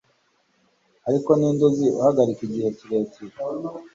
ariko ninde uzi uhagarika igihe kirekire